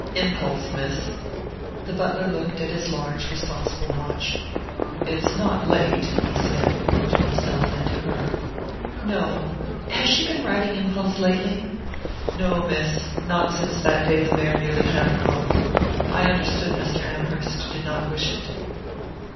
"Impulse, Miss." The butler looked at his large responsible watch. "It's not late " he said, more to himself than to her. "No. Has she been riding Impulse lately?" "No, Miss. Not since that day the mare nearly had her off. I understood Mr. Amherst did not wish it."